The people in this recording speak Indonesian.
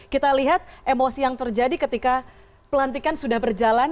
kita lihat emosi yang terjadi ketika pelantikan sudah berjalan